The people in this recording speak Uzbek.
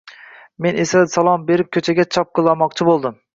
Men esa salom berib, ko`chaga chopqillamoqchi bo`ldim